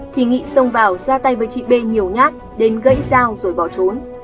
thì nghị xông vào ra tay với chị b nhiều nhát đến gãy dao rồi bỏ trốn